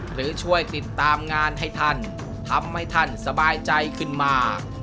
หรือช่วยติดตามงานให้ท่านทำให้ท่านสบายใจขึ้นมา